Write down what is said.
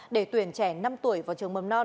để tuyển trẻ năm tuổi vào trường mầm non